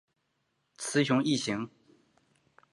雌雄异型。